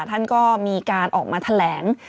ท่านก็มีการออกมาแถลง